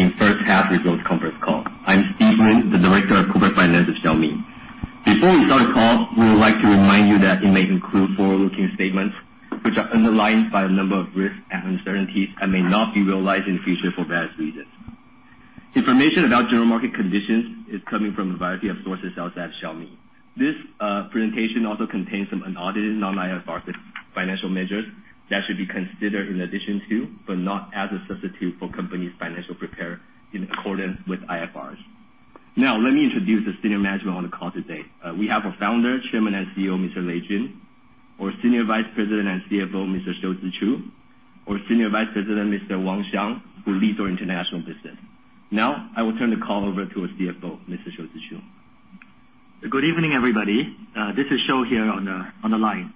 Good evening everyone. Welcome to Xiaomi Corporation 2019 first half results conference call. I'm Steve Huang, the Director of Corporate Finance of Xiaomi. Before we start the call, we would like to remind you that it may include forward-looking statements, which are underlined by a number of risks and uncertainties and may not be realized in the future for various reasons. Information about general market conditions is coming from a variety of sources outside Xiaomi. This presentation also contains some unaudited non-IFRS financial measures that should be considered in addition to, but not as a substitute for, company's financial prepare in accordance with IFRS. Now, let me introduce the Senior Management on the call today. We have our Founder, Chairman and CEO, Mr. Lei Jun, our Senior Vice President and CFO, Mr. Shou Zi Chew, our Senior Vice President, Mr. Wang Xiang, who leads our international business. Now, I will turn the call over to our CFO, Mr. Shou Zi Chew. Good evening, everybody. This is Shou here on the line.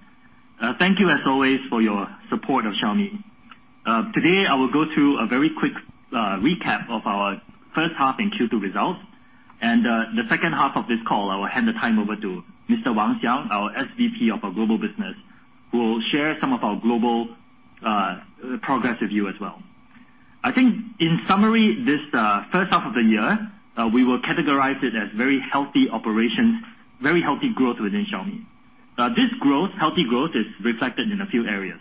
Thank you, as always, for your support of Xiaomi. Today, I will go through a very quick recap of our first half and Q2 results. The second half of this call, I will hand the time over to Mr. Wang Xiang, our SVP of our global business, who will share some of our global progress review as well. I think in summary, this first half of the year, we will categorize it as very healthy operations, very healthy growth within Xiaomi. This healthy growth is reflected in a few areas.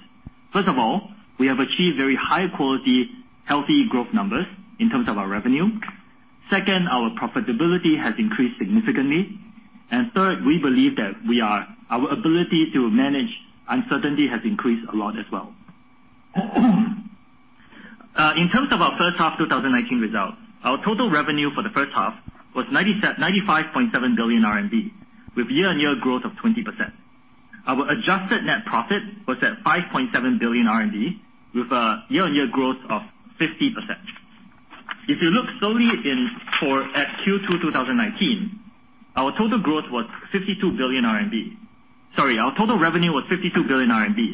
First of all, we have achieved very high-quality, healthy growth numbers in terms of our revenue. Second, our profitability has increased significantly. Third, we believe that our ability to manage uncertainty has increased a lot as well. In terms of our first half 2019 results, our total revenue for the first half was 95.7 billion RMB, with year-on-year growth of 20%. Our adjusted net profit was at 5.7 billion RMB with a year-on-year growth of 50%. If you look solely at Q2 2019, our total revenue was 52 billion RMB,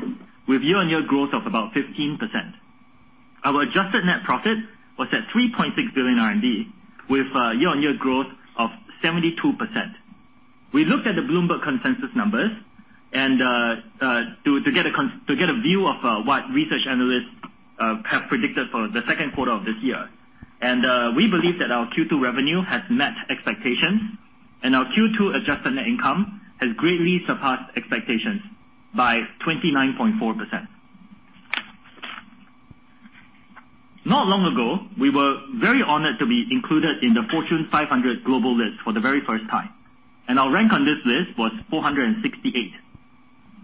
with year-on-year growth of about 15%. Our adjusted net profit was at 3.6 billion RMB with a year-on-year growth of 72%. We looked at the Bloomberg consensus numbers to get a view of what research analysts have predicted for the second quarter of this year. We believe that our Q2 revenue has met expectations and our Q2 adjusted net income has greatly surpassed expectations by 29.4%. Not long ago, we were very honored to be included in the Fortune 500 global list for the very first time, and our rank on this list was 468.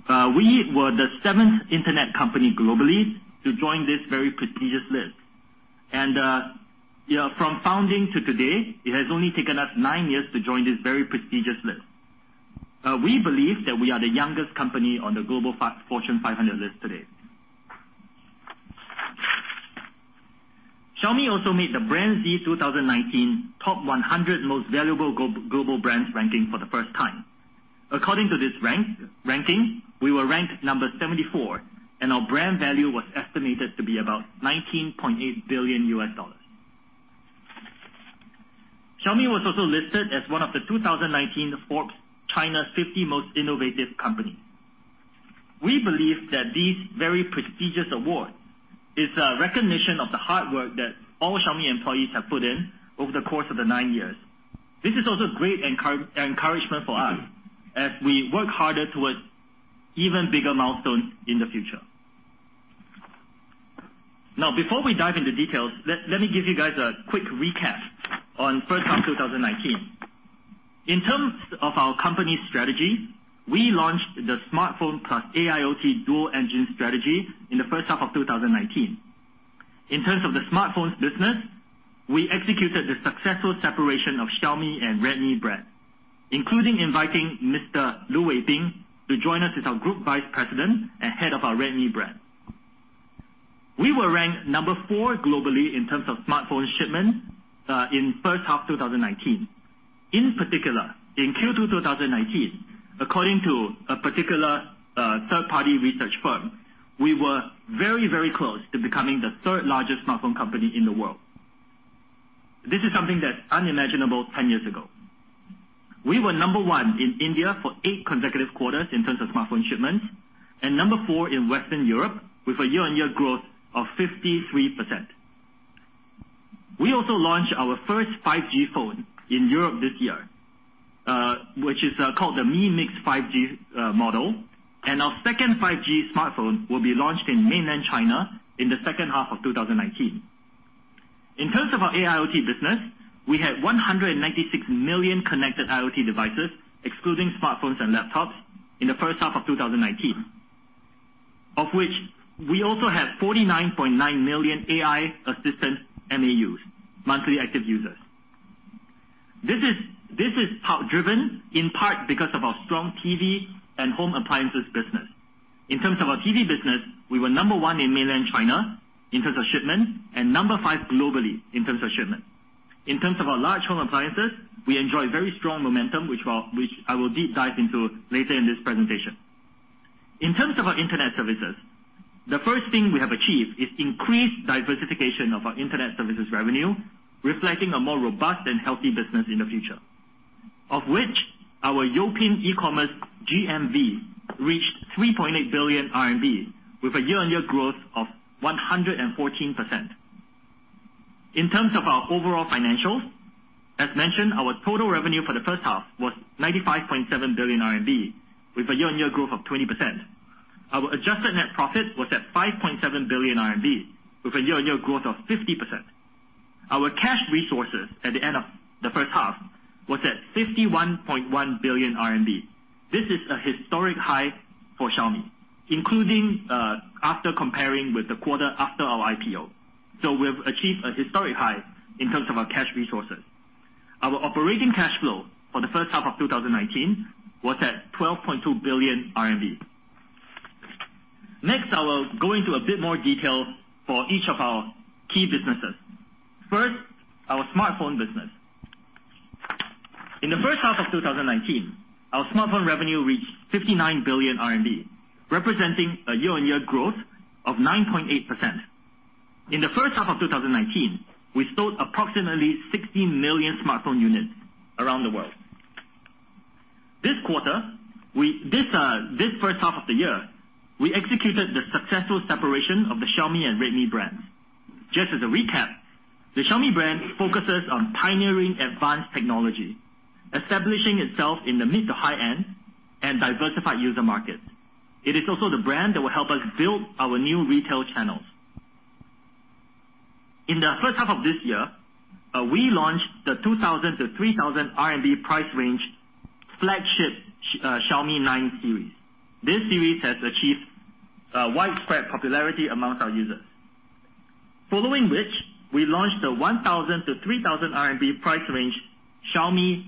We were the seventh internet company globally to join this very prestigious list. From founding to today, it has only taken us nine years to join this very prestigious list. We believe that we are the youngest company on the global Fortune 500 list today. Xiaomi also made the BrandZ 2019 top 100 most valuable global brands ranking for the first time. According to this ranking, we were ranked number 74, and our brand value was estimated to be about $19.8 billion US. Xiaomi was also listed as one of the 2019 Forbes China's most innovative companies. We believe that these very prestigious awards is a recognition of the hard work that all Xiaomi employees have put in over the course of the nine years. This is also great encouragement for us as we work harder towards even bigger milestones in the future. Now, before we dive into details, let me give you guys a quick recap on first half 2019. In terms of our company strategy, we launched the smartphone plus AIoT dual engine strategy in the first half of 2019. In terms of the smartphones business, we executed the successful separation of Xiaomi and Redmi brand, including inviting Mr. Lu Weibing to join us as our group vice president and head of our Redmi brand. We were ranked number four globally in terms of smartphone shipments in first half 2019. In particular, in Q2 2019, according to a particular third-party research firm, we were very close to becoming the third-largest smartphone company in the world. This is something that's unimaginable 10 years ago. We were number one in India for eight consecutive quarters in terms of smartphone shipments and number four in Western Europe with a year-on-year growth of 53%. We also launched our first 5G phone in Europe this year, which is called the Mi MIX 5G model. Our second 5G smartphone will be launched in mainland China in the second half of 2019. In terms of our AIoT business, we had 196 million connected IoT devices, excluding smartphones and laptops, in the first half of 2019, of which we also have 49.9 million AI assistant MAUs, monthly active users. This is driven in part because of our strong TV and home appliances business. In terms of our TV business, we were number one in mainland China in terms of shipments and number five globally in terms of shipments. In terms of our large home appliances, we enjoy very strong momentum, which I will deep dive into later in this presentation. In terms of our internet services, the first thing we have achieved is increased diversification of our internet services revenue, reflecting a more robust and healthy business in the future. Our Youpin e-commerce GMV reached 3.8 billion RMB, with a year-on-year growth of 114%. In terms of our overall financials, as mentioned, our total revenue for the first half was 95.7 billion RMB, with a year-on-year growth of 20%. Our adjusted net profit was at 5.7 billion RMB, with a year-on-year growth of 50%. Our cash resources at the end of the first half was at 51.1 billion RMB. This is a historic high for Xiaomi, including after comparing with the quarter after our IPO. We've achieved a historic high in terms of our cash resources. Our operating cash flow for the first half of 2019 was at 12.2 billion RMB. Next, I will go into a bit more detail for each of our key businesses. First, our smartphone business. In the first half of 2019, our smartphone revenue reached 59 billion RMB, representing a year-on-year growth of 9.8%. In the first half of 2019, we sold approximately 60 million smartphone units around the world. This first half of the year, we executed the successful separation of the Xiaomi and Redmi brands. Just as a recap, the Xiaomi brand focuses on pioneering advanced technology, establishing itself in the mid to high-end and diversified user markets. It is also the brand that will help us build our new retail channels. In the first half of this year, we launched the 2,000-3,000 RMB price range flagship Xiaomi 9 series. This series has achieved widespread popularity among our users. Following which, we launched the 1,000-3,000 RMB price range Xiaomi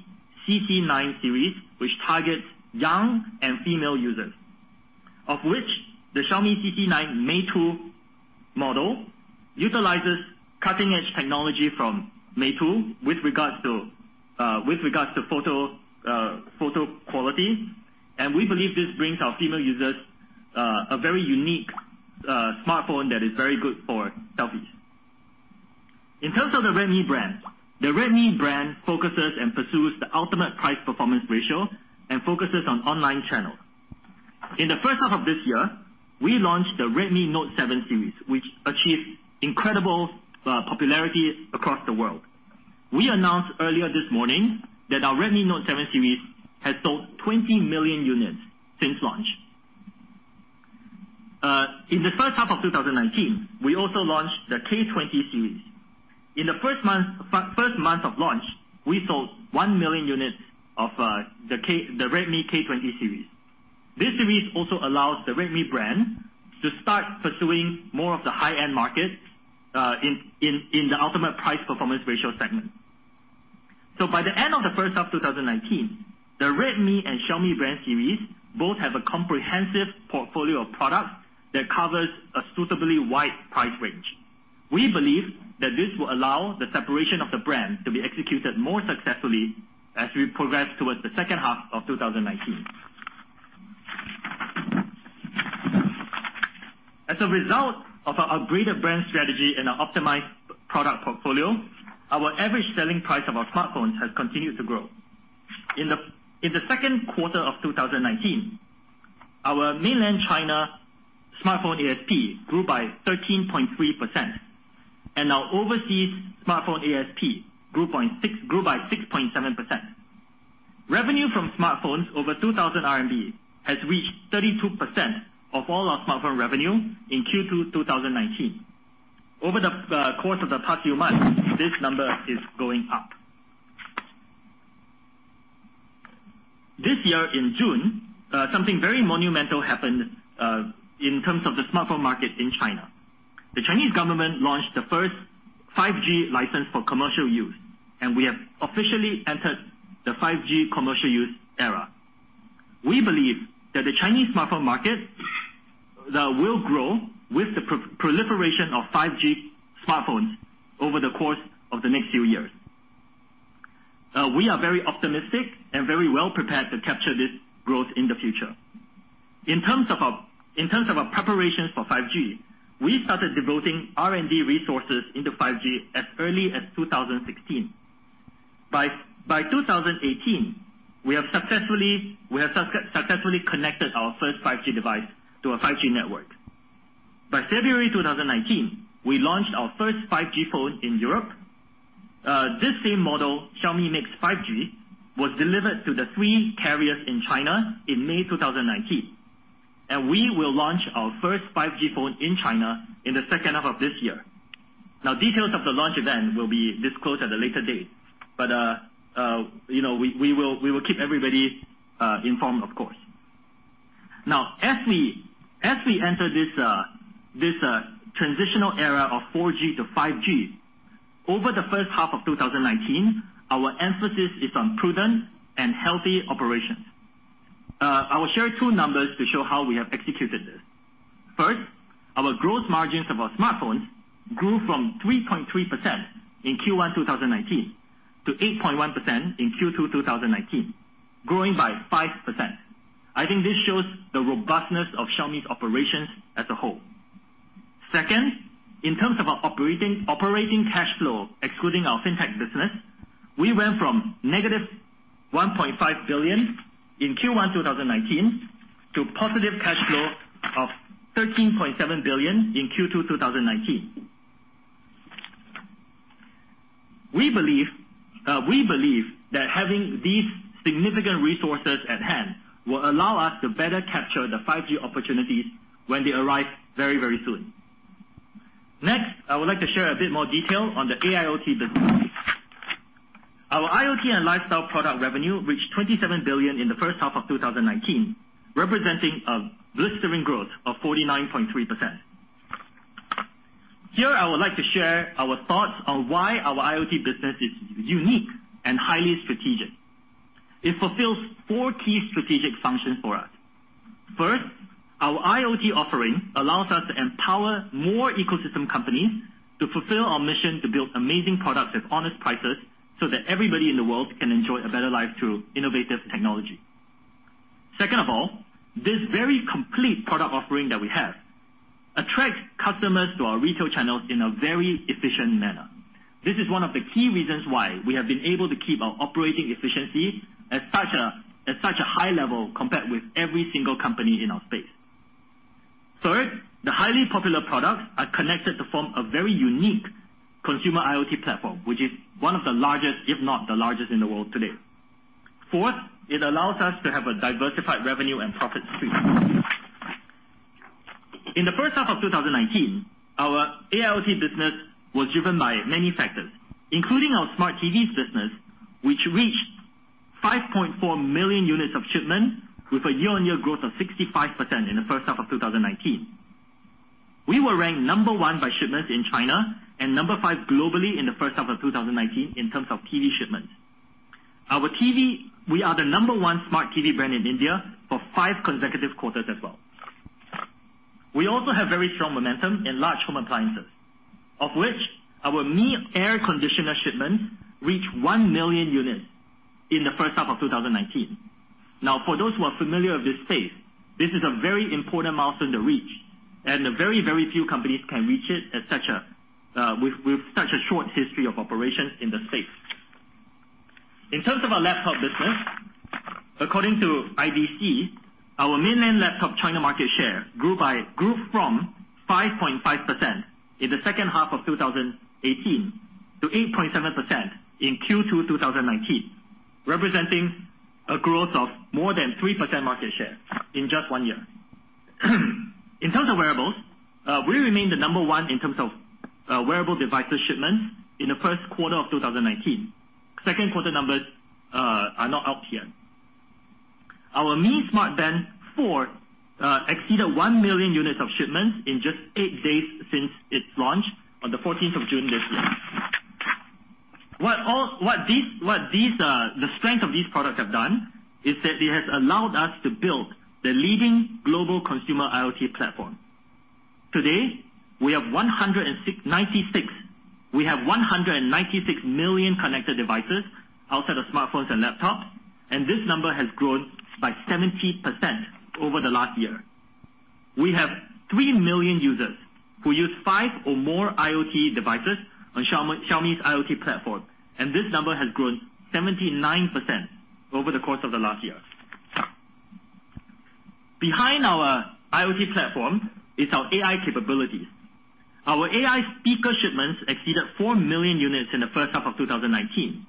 CC9 series, which targets young and female users, of which the Xiaomi CC9 Meitu model utilizes cutting-edge technology from Meitu with regards to photo quality, and we believe this brings our female users a very unique smartphone that is very good for selfies. In terms of the Redmi brand, the Redmi brand focuses and pursues the ultimate price-performance ratio and focuses on online channels. In the first half of this year, we launched the Redmi Note 7 series, which achieved incredible popularity across the world. We announced earlier this morning that our Redmi Note 7 series has sold 20 million units since launch. In the first half of 2019, we also launched the K20 series. In the first month of launch, we sold 1 million units of the Redmi K20 series. This series also allows the Redmi brand to start pursuing more of the high-end markets in the ultimate price-performance ratio segment. By the end of the first half of 2019, the Redmi and Xiaomi brand series both have a comprehensive portfolio of products that covers a suitably wide price range. We believe that this will allow the separation of the brand to be executed more successfully as we progress towards the second half of 2019. As a result of our upgraded brand strategy and our optimized product portfolio, our average selling price of our smartphones has continued to grow. In the second quarter of 2019, our mainland China smartphone ASP grew by 13.3%, and our overseas smartphone ASP grew by 6.7%. Revenue from smartphones over 2,000 RMB has reached 32% of all our smartphone revenue in Q2 2019. Over the course of the past few months, this number is going up. This year in June, something very monumental happened in terms of the smartphone market in China. The Chinese government launched the first 5G license for commercial use, and we have officially entered the 5G commercial use era. We believe that the Chinese smartphone market will grow with the proliferation of 5G smartphones over the course of the next few years. We are very optimistic and very well prepared to capture this growth in the future. In terms of our preparations for 5G, we started devoting R&D resources into 5G as early as 2016. By 2018, we have successfully connected our first 5G device to a 5G network. By February 2019, we launched our first 5G phone in Europe. This same model, Mi MIX 3 5G, was delivered to the 3 carriers in China in May 2019. We will launch our first 5G phone in China in the second half of this year. Now, details of the launch event will be disclosed at a later date, but we will keep everybody informed of course. Now, as we enter this transitional era of 4G to 5G, over the first half of 2019, our emphasis is on prudent and healthy operations. I will share two numbers to show how we have executed this. First, our growth margins of our smartphones grew from 3.3% in Q1 2019 to 8.1% in Q2 2019, growing by 5%. I think this shows the robustness of Xiaomi's operations as a whole. Second, in terms of our operating cash flow, excluding our fintech business, we went from negative 1.5 billion in Q1 2019 to positive cash flow of 13.7 billion in Q2 2019. We believe that having these significant resources at hand will allow us to better capture the 5G opportunities when they arrive very, very soon. Next, I would like to share a bit more detail on the AIoT business. Our IoT and lifestyle product revenue reached RMB 27 billion in the first half of 2019, representing a blistering growth of 49.3%. Here, I would like to share our thoughts on why our IoT business is unique and highly strategic. It fulfills four key strategic functions for us. First, our IoT offering allows us to empower more ecosystem companies to fulfill our mission to build amazing products at honest prices so that everybody in the world can enjoy a better life through innovative technology. This very complete product offering that we have attracts customers to our retail channels in a very efficient manner. This is one of the key reasons why we have been able to keep our operating efficiency at such a high level compared with every single company in our space. Third, the highly popular products are connected to form a very unique consumer IoT platform, which is one of the largest, if not the largest in the world today. Fourth, it allows us to have a diversified revenue and profit stream. In the first half of 2019, our AIoT business was driven by many factors, including our smart TVs business, which reached 5.4 million units of shipment with a year-on-year growth of 65% in the first half of 2019. We were ranked number one by shipments in China and number five globally in the first half of 2019 in terms of TV shipments. We are the number one smart TV brand in India for five consecutive quarters as well. We also have very strong momentum in large home appliances, of which our Mi air conditioner shipments reached 1 million units in the first half of 2019. Now, for those who are familiar with this space, this is a very important milestone to reach, and very few companies can reach it with such a short history of operations in the space. In terms of our laptop business, according to IDC, our mainland laptop China market share grew from 5.5% in the second half of 2018 to 8.7% in Q2 2019, representing a growth of more than 3% market share in just one year. In terms of wearables, we remain the number one in terms of wearable devices shipments in the first quarter of 2019. Second quarter numbers are not out yet. Our Mi Smart Band 4 exceeded 1 million units of shipments in just 8 days since its launch on the 14th of June this year. What the strength of these products have done is that it has allowed us to build the leading global consumer IoT platform. Today, we have 196 million connected devices outside of smartphones and laptops, and this number has grown by 70% over the last year. We have 3 million users who use five or more IoT devices on Xiaomi's IoT platform, and this number has grown 79% over the course of the last year. Behind our IoT platform is our AI capabilities. Our AI speaker shipments exceeded 4 million units in the first half of 2019.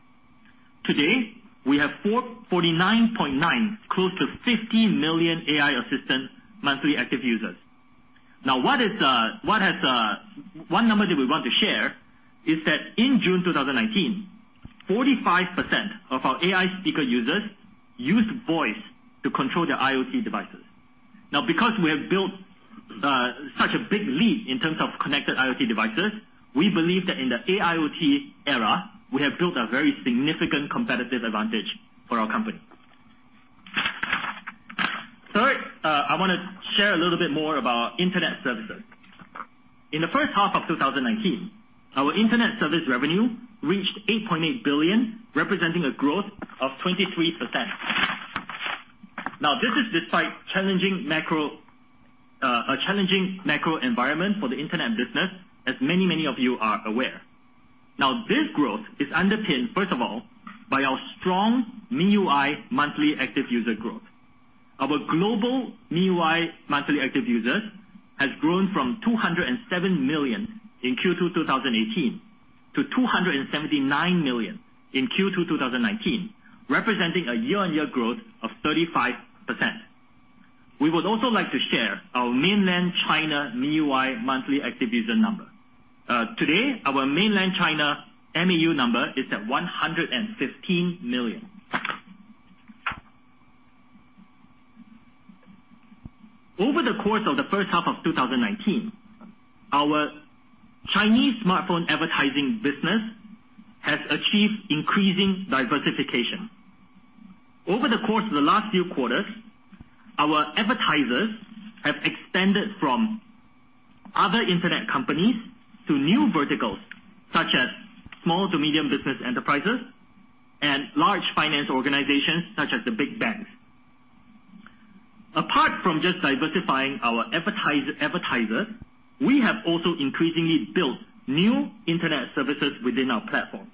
Today, we have 49.9, close to 50 million AI assistant monthly active users. One number that we want to share is that in June 2019, 45% of our AI speaker users used voice to control their IoT devices. Because we have built such a big lead in terms of connected IoT devices, we believe that in the AIoT era, we have built a very significant competitive advantage for our company. Third, I want to share a little bit more about internet services. In the first half of 2019, our internet service revenue reached 8.8 billion, representing a growth of 23%. This is despite a challenging macro environment for the internet business, as many of you are aware. This growth is underpinned, first of all, by our strong MIUI monthly active user growth. Our global MIUI monthly active users has grown from 207 million in Q2 2018 to 279 million in Q2 2019, representing a year-on-year growth of 35%. We would also like to share our mainland China MIUI monthly active user number. Today, our mainland China MAU number is at 115 million. Over the course of the first half of 2019, our Chinese smartphone advertising business has achieved increasing diversification. Over the course of the last few quarters, our advertisers have expanded from other internet companies to new verticals, such as small to medium business enterprises and large finance organizations such as the big banks. Apart from just diversifying our advertisers, we have also increasingly built new internet services within our platform.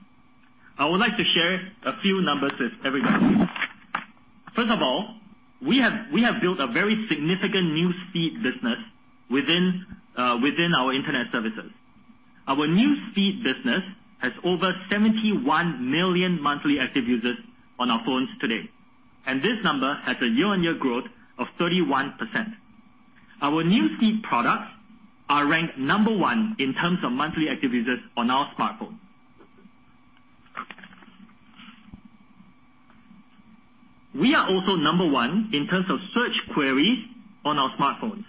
I would like to share a few numbers with everybody. First of all, we have built a very significant new feed business within our internet services. Our new feed business has over 71 million monthly active users on our phones today, and this number has a year-on-year growth of 31%. Our newsfeed products are ranked number one in terms of monthly active users on our smartphone. We are also number one in terms of search queries on our smartphones.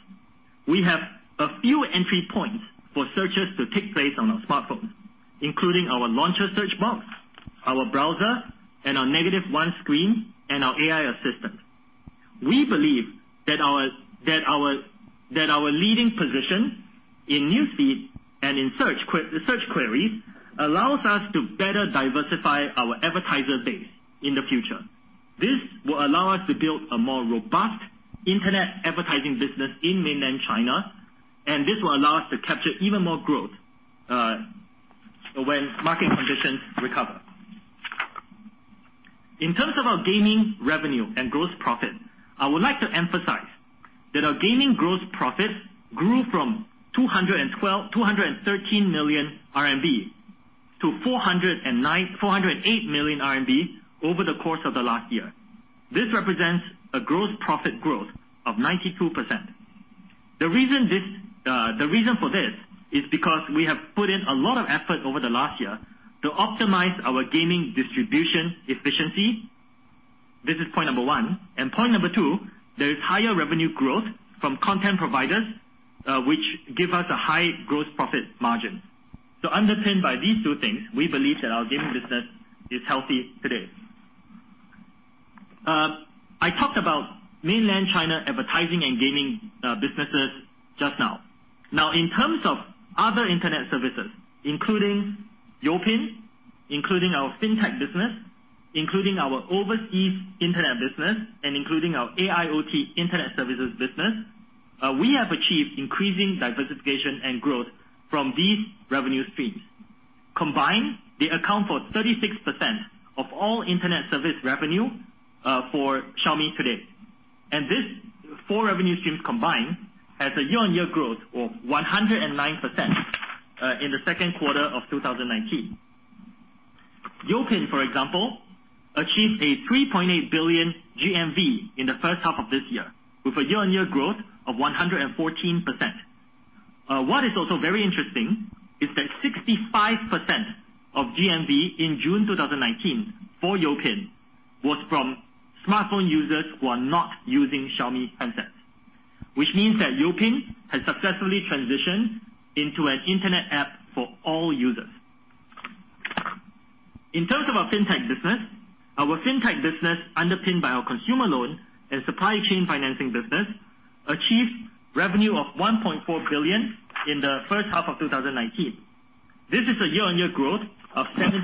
We have a few entry points for searches to take place on our smartphone, including our launcher search box, our browser, and our negative one screen, and our AI assistant. We believe that our leading position in newsfeed and in search queries allows us to better diversify our advertiser base in the future. This will allow us to build a more robust internet advertising business in mainland China, and this will allow us to capture even more growth when market conditions recover. In terms of our gaming revenue and gross profit, I would like to emphasize that our gaming gross profit grew from 213 million RMB to 408 million RMB over the course of the last year. This represents a gross profit growth of 92%. The reason for this is because we have put in a lot of effort over the last year to optimize our gaming distribution efficiency. This is point number 1, and point number 2, there is higher revenue growth from content providers, which give us a high gross profit margin. Underpinned by these two things, we believe that our gaming business is healthy today. I talked about mainland China advertising and gaming businesses just now. Now, in terms of other internet services, including Youpin, including our fintech business, including our overseas internet business, and including our AIoT internet services business, we have achieved increasing diversification and growth from these revenue streams. Combined, they account for 36% of all internet service revenue for Xiaomi today. These four revenue streams combined has a year-on-year growth of 109% in the second quarter of 2019. Youpin, for example, achieved 3.8 billion GMV in the first half of this year, with a year-on-year growth of 114%. What is also very interesting is that 65% of GMV in June 2019 for Youpin was from smartphone users who are not using Xiaomi handsets, which means that Youpin has successfully transitioned into an internet app for all users. In terms of our fintech business, our fintech business underpinned by our consumer loan and supply chain financing business achieved revenue of 1.4 billion in the first half of 2019. This is a year-on-year growth of 79%.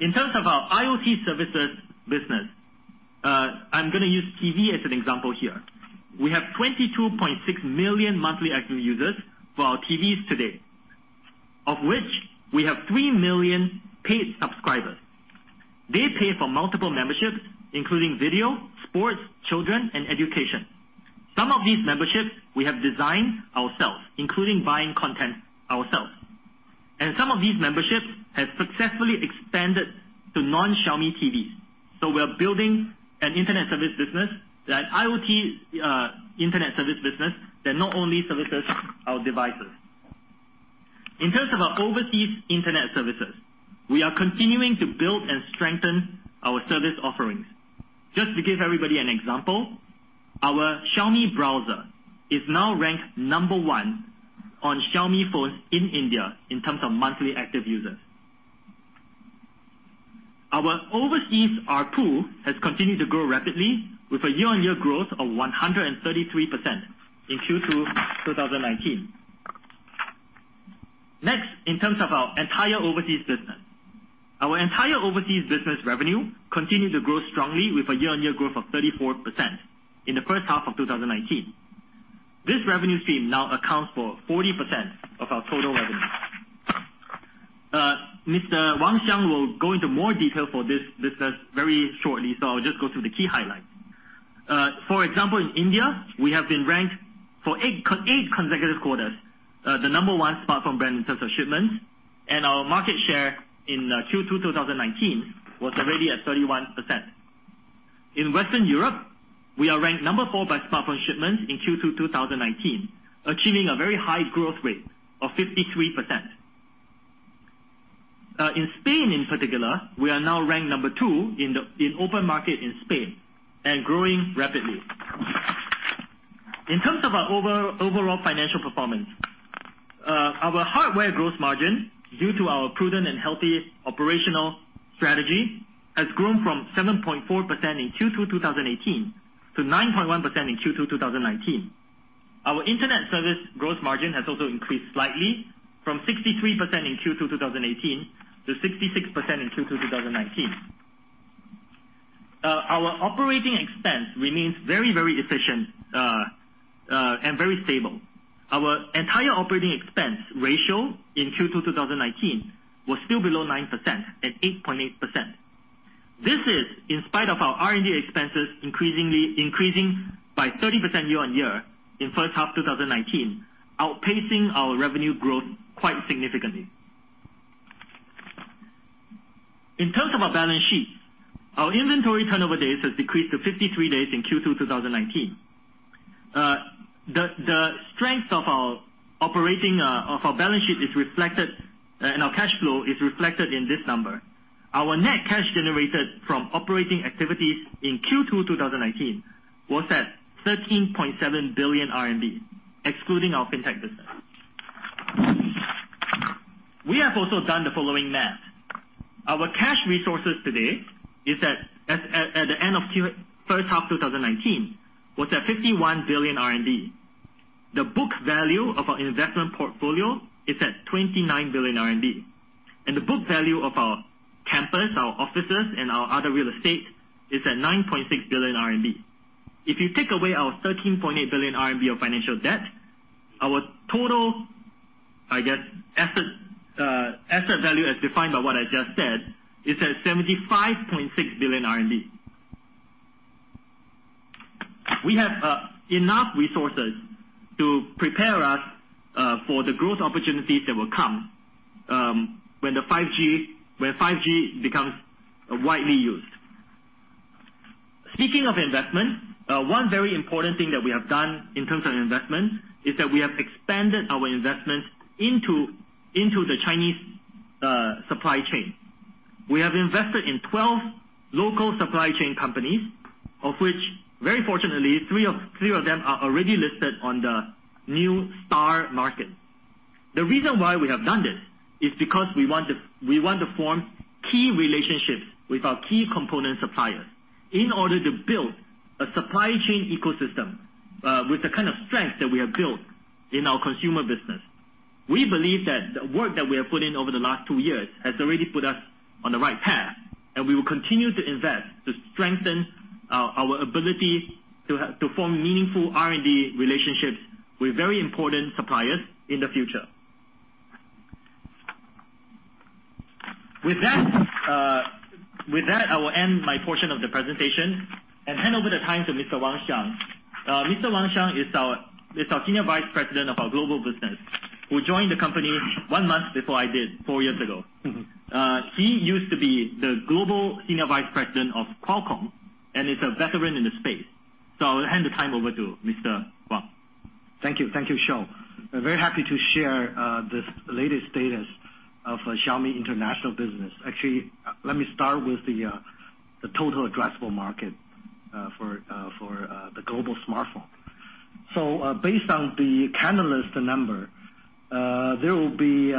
In terms of our IoT services business, I'm going to use TV as an example here. We have 22.6 million monthly active users for our TVs to date, of which we have 3 million paid subscribers. They pay for multiple memberships, including video, sports, children, and education. Some of these memberships we have designed ourselves, including buying content ourselves. Some of these memberships have successfully expanded to non-Xiaomi TVs. We are building an internet service business, that IoT internet service business that not only services our devices. In terms of our overseas internet services, we are continuing to build and strengthen our service offerings. Just to give everybody an example, our Xiaomi browser is now ranked number one on Xiaomi phones in India in terms of monthly active users. Our overseas ARPU has continued to grow rapidly with a year-on-year growth of 133% in Q2 2019. In terms of our entire overseas business. Our entire overseas business revenue continued to grow strongly with a year-on-year growth of 34% in the first half of 2019. This revenue stream now accounts for 40% of our total revenue. Mr. Wang Xiang will go into more detail for this business very shortly, so I'll just go through the key highlights. For example, in India, we have been ranked for 8 consecutive quarters the number 1 smartphone brand in terms of shipments, and our market share in Q2 2019 was already at 31%. In Western Europe, we are ranked number 4 by smartphone shipments in Q2 2019, achieving a very high growth rate of 53%. In Spain in particular, we are now ranked number 2 in open market in Spain and growing rapidly. In terms of our overall financial performance, our hardware gross margin, due to our prudent and healthy operational strategy, has grown from 7.4% in Q2 2018 to 9.1% in Q2 2019. Our internet service gross margin has also increased slightly from 63% in Q2 2018 to 66% in Q2 2019. Our operating expense remains very efficient and very stable. Our entire operating expense ratio in Q2 2019 was still below 9% at 8.8%. This is in spite of our R&D expenses increasing by 30% year-on-year in first half 2019, outpacing our revenue growth quite significantly. In terms of our balance sheets, our inventory turnover days has decreased to 53 days in Q2 2019. The strength of our balance sheet and our cash flow is reflected in this number. Our net cash generated from operating activities in Q2 2019 was at 13.7 billion RMB, excluding our fintech business. We have also done the following math. Our cash resources today at the end of first half 2019 was at 51 billion RMB. The book value of our investment portfolio is at 29 billion RMB, and the book value of our campus, our offices, and our other real estate is at 9.6 billion RMB. If you take away our 13.8 billion RMB of financial debt, our total, I guess asset value as defined by what I just said, is at 75.6 billion RMB. We have enough resources to prepare us for the growth opportunities that will come when 5G becomes widely used. Speaking of investment, one very important thing that we have done in terms of investment is that we have expanded our investments into the Chinese supply chain. We have invested in 12 local supply chain companies, of which very fortunately, three of them are already listed on the new STAR Market. The reason why we have done this is because we want to form key relationships with our key component suppliers in order to build a supply chain ecosystem, with the kind of strength that we have built in our consumer business. We believe that the work that we have put in over the last two years has already put us on the right path, and we will continue to invest to strengthen our ability to form meaningful R&D relationships with very important suppliers in the future. With that, I will end my portion of the presentation and hand over the time to Mr. Wang Xiang. Mr. Wang Xiang is our Senior Vice President of our global business, who joined the company one month before I did, four years ago. He used to be the Global Senior Vice President of Qualcomm and is a veteran in the space. I'll hand the time over to Mr. Wang. Thank you, Shou. I'm very happy to share this latest status of Xiaomi international business. Actually, let me start with the total addressable market for the global smartphone. Based on the Canalys number, there will be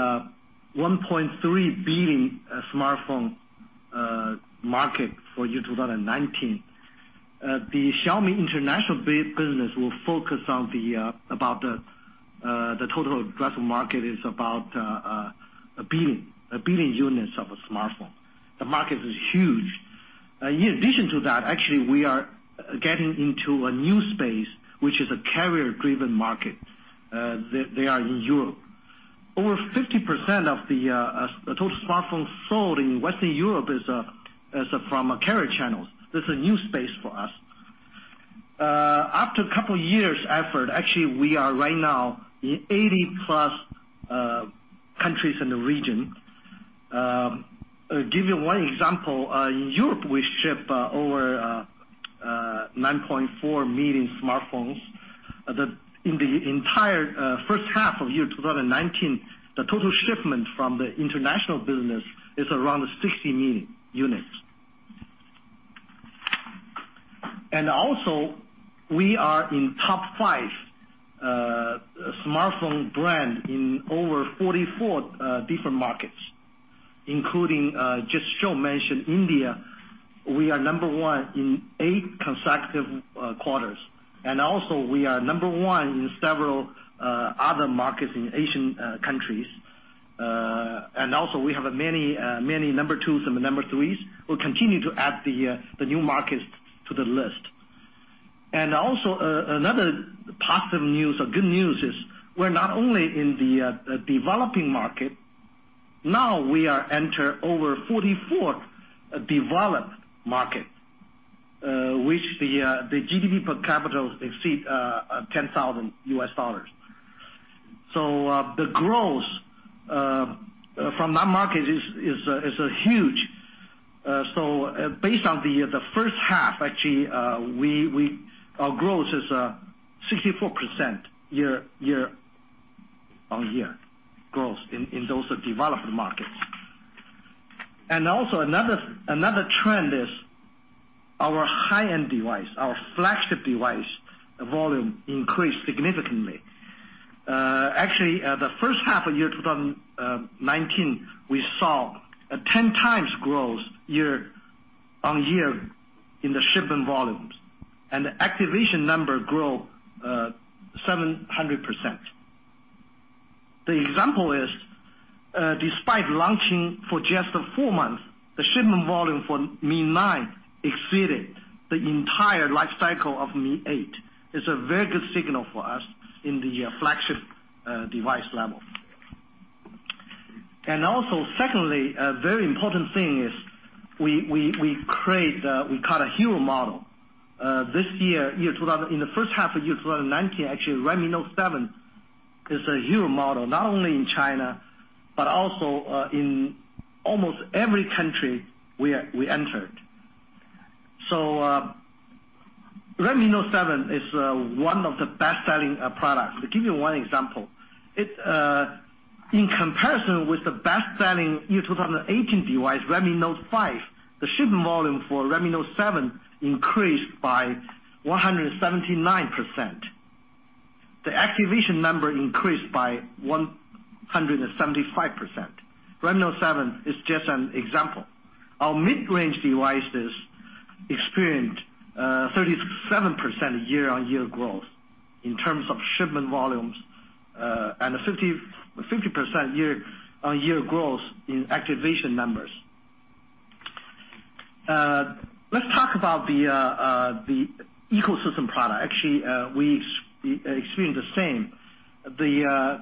1.3 billion smartphone market for year 2019. The Xiaomi international business will focus on the total addressable market, is about a billion units of a smartphone. The market is huge. In addition to that, actually, we are getting into a new space, which is a carrier-driven market. They are in Europe. Over 50% of the total smartphones sold in Western Europe is from carrier channels. This is a new space for us. After a couple of years effort, actually, we are right now in 80 plus countries in the region. Give you one example, in Europe we ship over 9.4 million smartphones. In the entire first half of 2019, the total shipment from the international business is around 60 million units. We are in top five smartphone brand in over 44 different markets, including, just Shou mentioned India, we are number one in eight consecutive quarters. We are number one in several other markets in Asian countries. We have many number twos and number threes. We'll continue to add the new markets to the list. Another positive news or good news is we're not only in the developing market, now we are enter over 44 developed markets, which the GDP per capita exceed RMB 10,000. The growth from that market is huge. Based on the first half, actually, our growth is 64% year-on-year growth in those developed markets. Another trend is our high-end device, our flagship device volume increased significantly. Actually, the first half of year 2019, we saw a 10 times growth year-on-year in the shipment volumes, and the activation number grow 700%. The example is, despite launching for just four months, the shipment volume for Mi 9 exceeded the entire life cycle of Mi 8. It's a very good signal for us in the flagship device level. Secondly, a very important thing is we call it hero model. In the first half of year 2019, actually Redmi Note 7 is a hero model, not only in China, but also in almost every country we entered. Redmi Note 7 is one of the best-selling products. To give you one example, in comparison with the best-selling year 2018 device, Redmi Note 5, the shipment volume for Redmi Note 7 increased by 179%. The activation number increased by 175%. Redmi Note 7 is just an example. Our mid-range devices experienced a 37% year-on-year growth in terms of shipment volumes, a 50% year-on-year growth in activation numbers. Let's talk about the ecosystem product. Actually, we experienced the same. The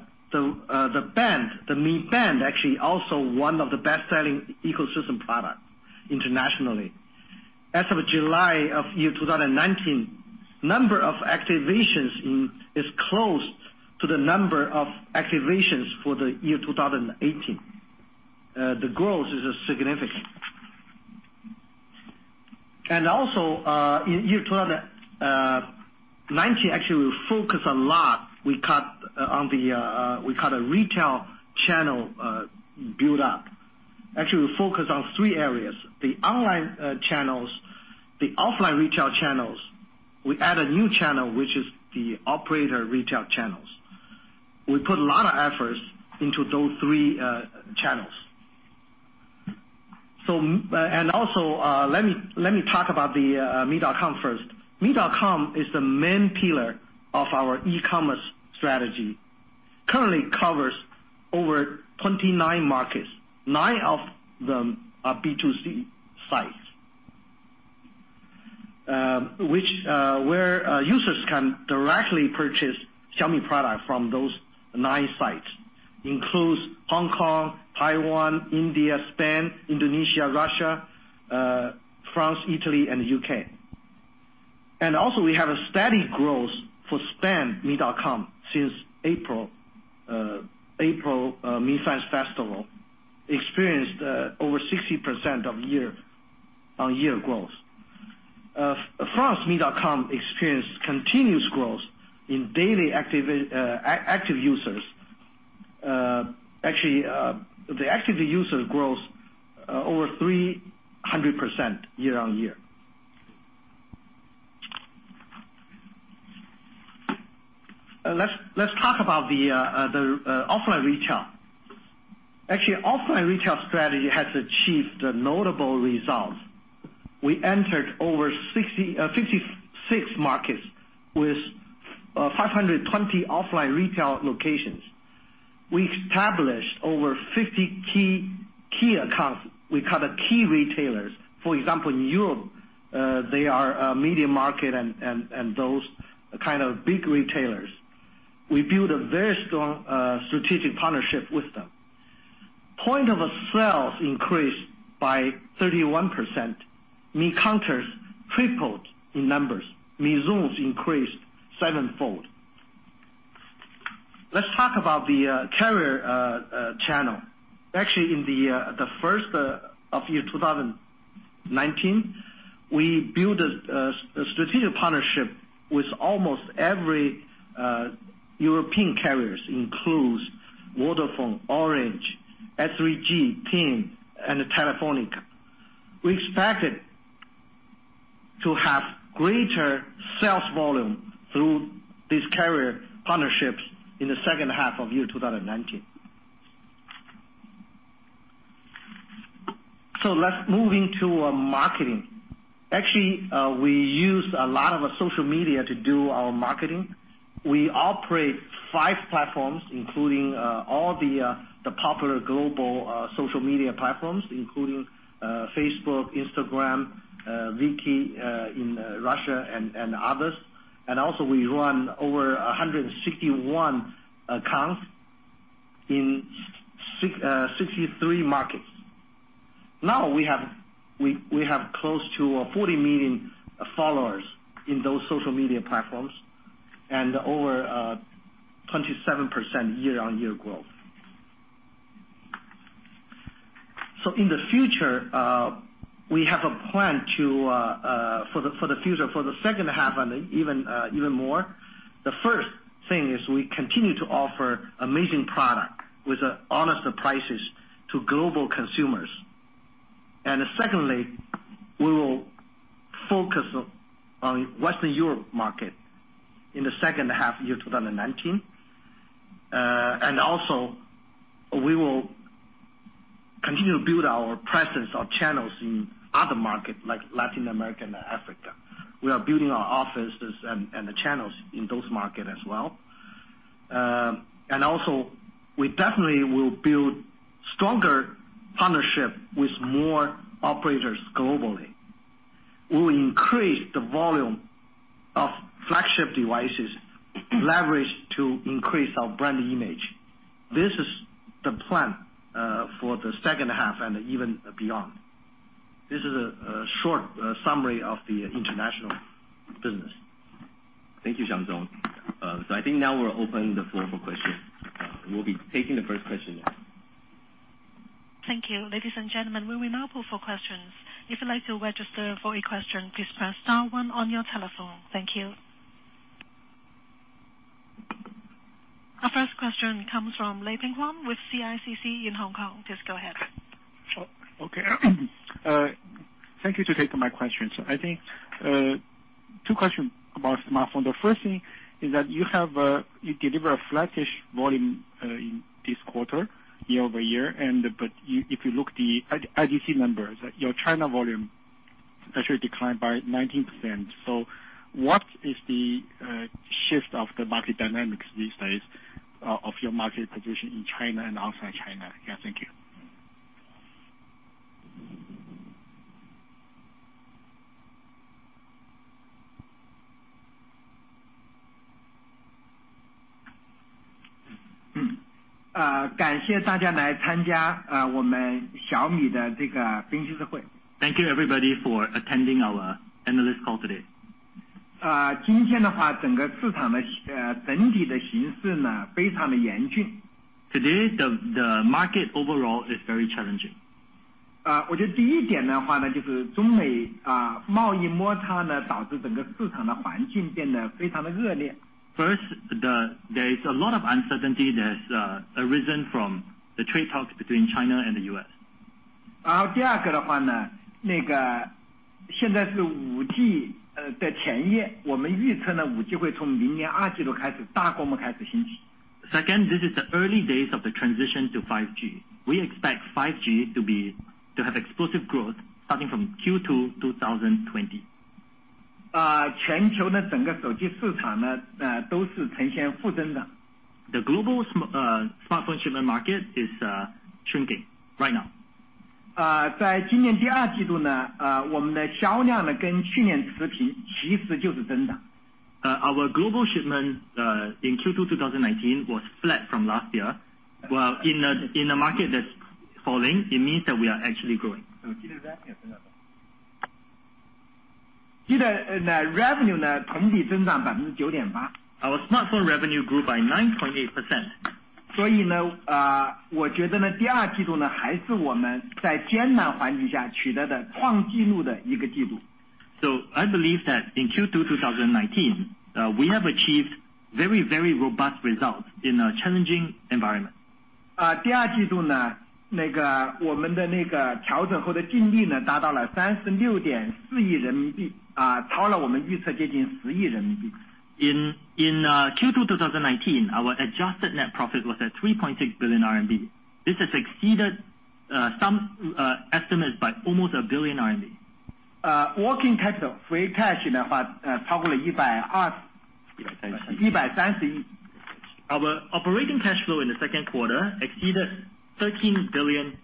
Mi Band, actually also one of the best-selling ecosystem product internationally. As of July of year 2019, number of activations is close to the number of activations for the year 2018. The growth is significant. Also, in year 2019, actually, we focus a lot, we call it retail channel build-up. Actually, we focus on three areas, the online channels, the offline retail channels, we add a new channel, which is the operator retail channels. We put a lot of efforts into those three channels. Also, let me talk about the mi.com first. mi.com is the main pillar of our e-commerce strategy. Currently covers over 29 markets. Nine of them are B2C sites, where users can directly purchase Xiaomi product from those nine sites, includes Hong Kong, Taiwan, India, Spain, Indonesia, Russia, France, Italy, and U.K. Also we have a steady growth for Spain mi.com since April Mi Fans Festival, experienced over 60% year-on-year growth. France mi.com experienced continuous growth in daily active users. Actually, the active user growth over 300% year-on-year. Let's talk about the offline retail. Actually, offline retail strategy has achieved notable results. We entered over 56 markets with 520 offline retail locations. We established over 50 key accounts. We call it key retailers. For example, in Europe, they are MediaMarkt and those kind of big retailers. We build a very strong strategic partnership with them. Point of sales increased by 31%. Mi counters tripled in numbers. Mi Zones increased sevenfold. Let's talk about the carrier channel. In the first of 2019, we build a strategic partnership with almost every European carriers, includes Vodafone, Orange, 3, TIM, and Telefónica. We expected to have greater sales volume through these carrier partnerships in the second half of 2019. Let's move into marketing. We used a lot of social media to do our marketing. We operate five platforms, including all the popular global social media platforms, including Facebook, Instagram, VK in Russia, and others. Also, we run over 161 accounts in 63 markets. Now we have close to 40 million followers in those social media platforms, and over 27% year-on-year growth. In the future, we have a plan for the future, for the second half and even more. The first thing is we continue to offer amazing product with honest prices to global consumers. Secondly, we will focus on Western Europe market in the second half year 2019. Also, we will continue to build our presence, our channels in other markets like Latin America and Africa. We are building our offices and the channels in those markets as well. Also, we definitely will build stronger partnership with more operators globally. We will increase the volume of flagship devices leveraged to increase our brand image. This is the plan for the second half and even beyond. This is a short summary of the international business. Thank you, Wang Xiang. I think now we're open the floor for questions. We'll be taking the first question now. Thank you. Ladies and gentlemen, we will now put for questions. If you'd like to register for a question, please press star one on your telephone. Thank you. Our first question comes from Leping Huang with CICC in Hong Kong. Please go ahead. Okay. Thank you to take my questions. I think two questions about smartphone. The first thing is that you deliver a flattish volume in this quarter, year-over-year, but if you look the IDC numbers, your China volume actually declined by 19%. What is the shift of the market dynamics these days of your market position in China and outside China? Yeah, thank you. Thank you everybody for attending our analyst call today. Today, the market overall is very challenging. First, there is a lot of uncertainty that has arisen from the trade talks between China and the U.S. Second, this is the early days of the transition to 5G. We expect 5G to have explosive growth starting from Q2 2020. The global smartphone shipment market is shrinking right now. Our global shipment in Q2 2019 was flat from last year. Well, in a market that's falling, it means that we are actually growing. Our smartphone revenue grew by 9.8%. I believe that in Q2 2019, we have achieved very robust results in a challenging environment. In Q2 2019, our adjusted net profit was at 3.6 billion RMB. This has exceeded some estimates by almost 1 billion RMB. Our operating cash flow in the second quarter exceeded RMB 13 billion.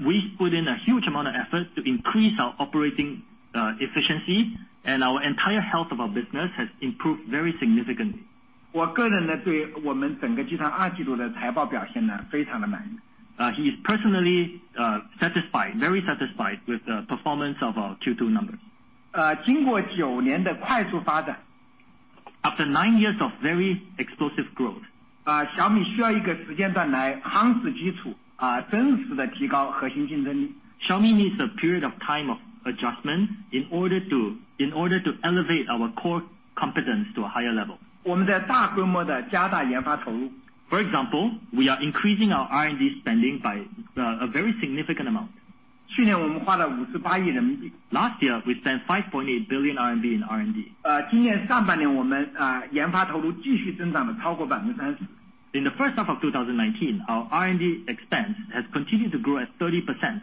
We put in a huge amount of effort to increase our operating efficiency, and our entire health of our business has improved very significantly. He is personally very satisfied with the performance of our Q2 numbers. After nine years of very explosive growth, Xiaomi needs a period of time of adjustment in order to elevate our core competence to a higher level. For example, we are increasing our R&D spending by a very significant amount. Last year, we spent 5.8 billion RMB in R&D. In the first half of 2019, our R&D expense has continued to grow at 30%.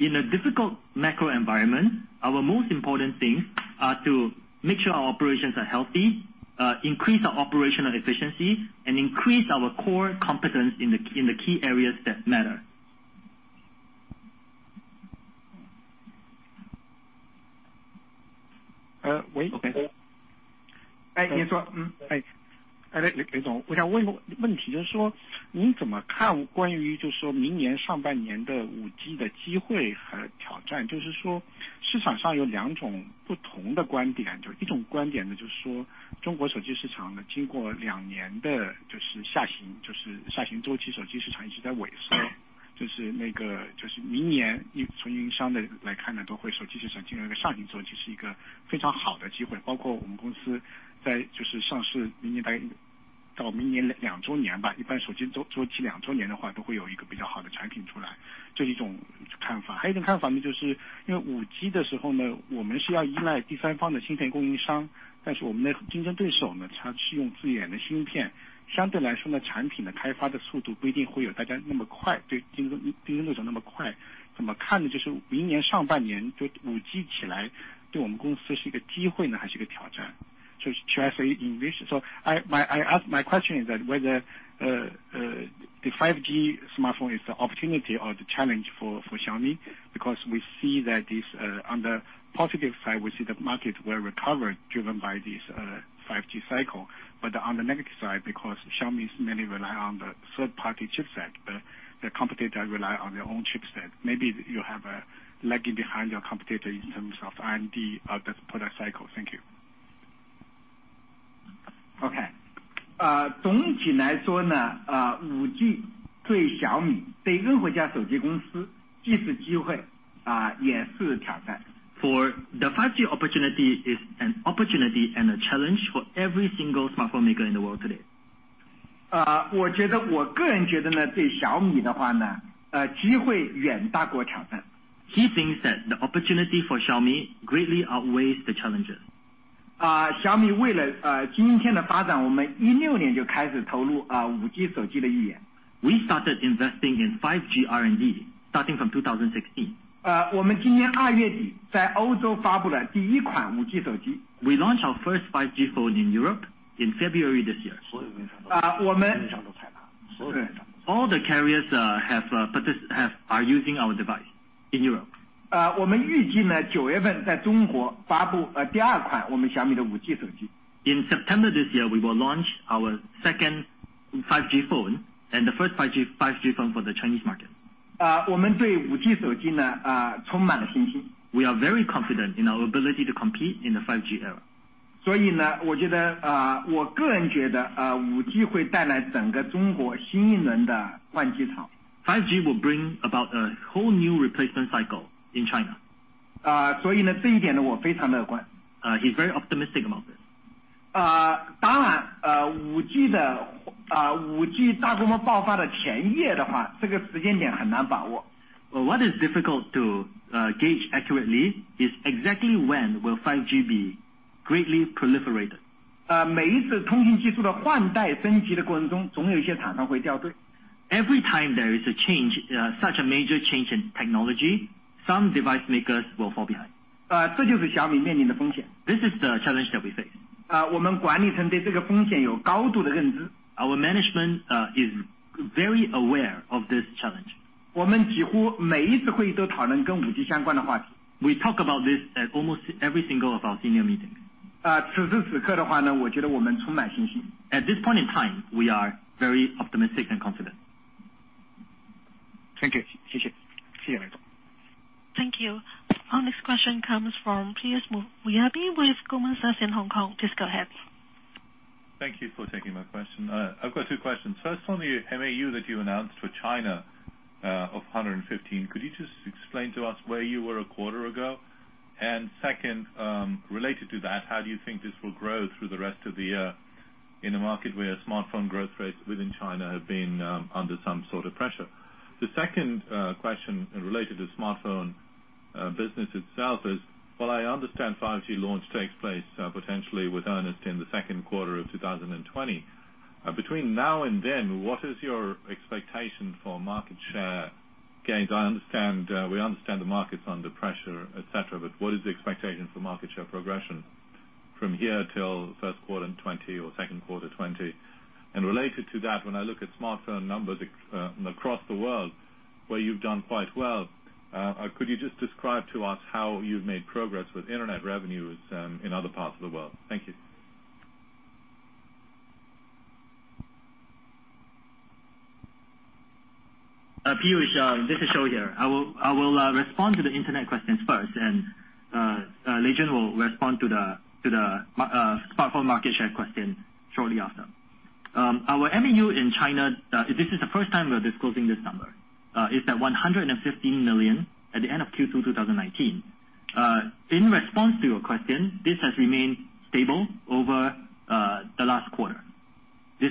In a difficult macro environment, our most important things are to make sure our operations are healthy, increase our operational efficiency, and increase our core competence in the key areas that matter. My question is that whether the 5G smartphone is the opportunity or the challenge for Xiaomi, because we see that on the positive side, we see the market will recover driven by this 5G cycle. On the negative side, because Xiaomi mainly rely on the third-party chipset, but the competitor rely on their own chipset. Maybe you have a lagging behind your competitor in terms of R&D of the product cycle. Thank you. 总体来说，5G对小米，对任何一家手机公司既是机会也是挑战。The 5G opportunity is an opportunity and a challenge for every single smartphone maker in the world today. 我个人觉得对小米的话，机会远大过挑战。He thinks that the opportunity for Xiaomi greatly outweighs the challenges. 小米为了今天的发展，我们16年就开始投入5G手机的预研。We started investing in 5G R&D starting from 2016. 我们今年2月底在欧洲发布了第一款5G手机。We launched our first 5G phone in Europe in February this year. 我们 All the carriers are using our device in Europe. 我们预计九月份在中国发布第二款我们小米的5G手机。In September this year, we will launch our second 5G phone and the first 5G phone for the Chinese market. 我们对5G手机充满了信心。We are very confident in our ability to compete in the 5G era. 所以，我个人觉得5G会带来整个中国新一轮的换机潮。5G will bring about a whole new replacement cycle in China. 所以这一点我非常乐观。He's very optimistic about this. 当然，5G大规模爆发的前夜的话，这个时间点很难把握。What is difficult to gauge accurately is exactly when will 5G be greatly proliferated. 每一次通信技术的换代升级的过程中，总有一些厂商会掉队。Every time there is such a major change in technology, some device makers will fall behind. 这就是小米面临的风险。This is the challenge that we face. 我们管理层对这个风险有高度的认知。Our management is very aware of this challenge. 我们几乎每一次会议都讨论跟5G相关的话题。We talk about this at almost every single of our senior meetings. 此时此刻的话，我觉得我们充满信心。At this point in time, we are very optimistic and confident. Thank you. See you later. Thank you. Our next question comes from Piyush Mubayi with Goldman Sachs in Hong Kong. Please go ahead. Thank you for taking my question. I've got two questions. First on the MAU that you announced for China of 115. Could you just explain to us where you were a quarter ago? Second, related to that, how do you think this will grow through the rest of the year in a market where smartphone growth rates within China have been under some sort of pressure? The second question related to smartphone business itself is, while I understand 5G launch takes place potentially with earnest in the second quarter of 2020. Between now and then, what is your expectation for market share gains? We understand the market's under pressure, etc. What is the expectation for market share progression from here till first quarter in 2020 or second quarter 2020? Related to that, when I look at smartphone numbers across the world where you've done quite well, could you just describe to us how you've made progress with internet revenues in other parts of the world? Thank you. Piyush, this is Shou here. I will respond to the internet questions first, and Lei Jun will respond to the smartphone market share question shortly after. Our MAU in China, this is the first time we're disclosing this number, is that 115 million at the end of Q2 2019. In response to your question, this has remained stable over the last quarter. In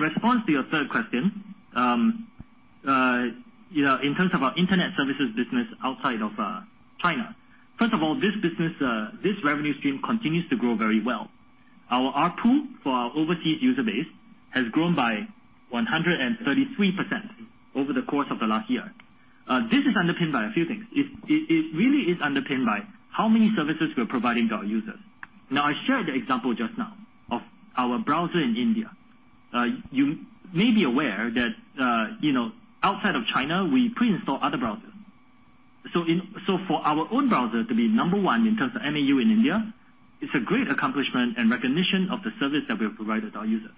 response to your third question, in terms of our internet services business outside of China, first of all, this revenue stream continues to grow very well. Our ARPU for our overseas user base has grown by 133% over the course of the last year. This is underpinned by a few things. It really is underpinned by how many services we're providing to our users. Now, I shared the example just now of our browser in India. You may be aware that outside of China, we preinstall other browsers. For our own browser to be number 1 in terms of MAU in India, it's a great accomplishment and recognition of the service that we have provided our users.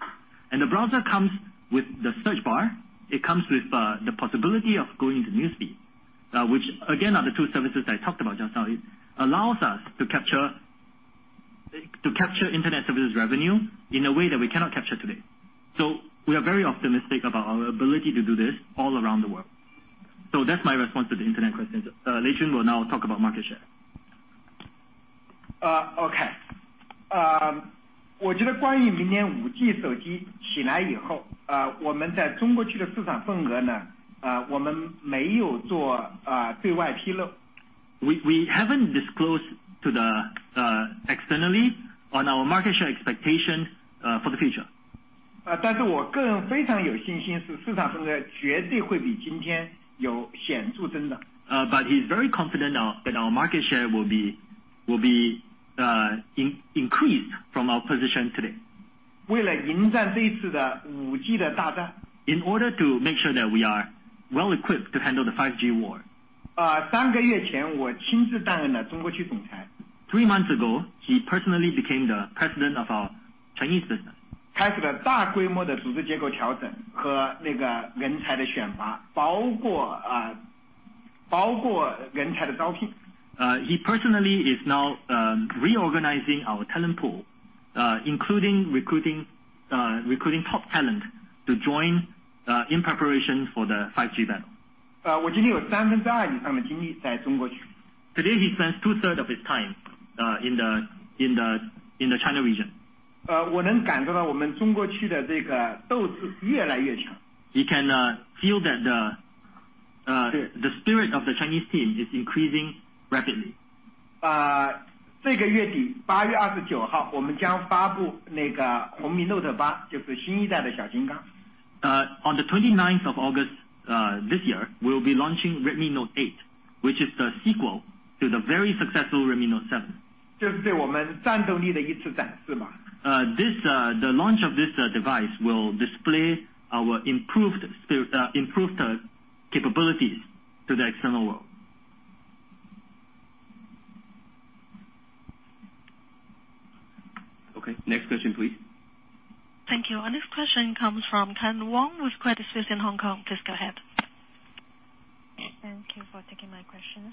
The browser comes with the search bar. It comes with the possibility of going to Newsfeed, which again, are the two services I talked about just now. It allows us to capture internet services revenue in a way that we cannot capture today. We are very optimistic about our ability to do this all around the world. That's my response to the internet questions. Lei Jun will now talk about market share. Okay. We haven't disclosed externally on our market share expectation for the future. He's very confident now that our market share will be increased from our position today. In order to make sure that we are well-equipped to handle the 5G war. Three months ago, he personally became the president of our Chinese business. He personally is now reorganizing our talent pool, including recruiting top talent to join in preparation for the 5G battle. Today, he spends two-thirds of his time in the China region. He can feel that the spirit of the Chinese team is increasing rapidly. On the 29th of August this year, we'll be launching Redmi Note 8, which is the sequel to the very successful Redmi Note 7. The launch of this device will display our improved capabilities to the external world. Okay, next question, please. Thank you. Our next question comes from Karen Wong with Credit Suisse in Hong Kong. Please go ahead. Thank you for taking my questions.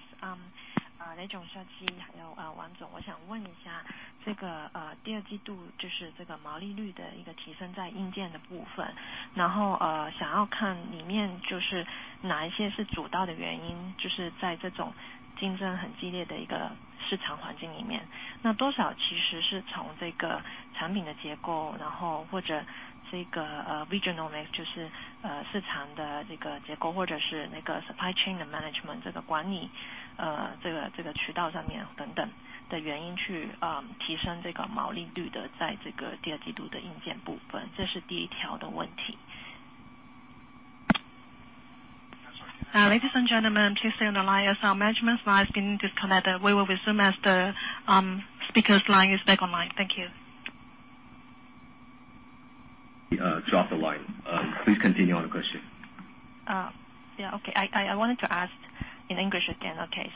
Ladies and gentlemen, please stay on the line as our management line is being disconnected. We will resume as the speaker's line is back online. Thank you. Dropped the line. Please continue on the question. Yeah. Okay. I wanted to ask in English again. Okay.